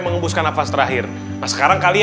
mengembuskan nafas terakhir sekarang